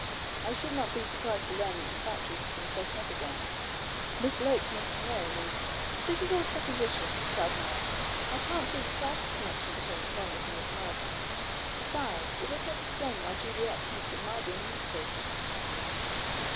I should not be surprised to learn that the factory had been set up again; Miss Loach may have known and " "This is all supposition," cried Mallow. "I can't see the slightest connection between the coiners and this murder. Besides, it does not explain why Juliet hints at my being implicated."